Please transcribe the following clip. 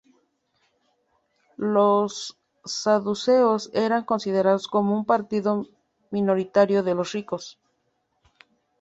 Los saduceos eran considerados como un partido minoritario, de los ricos.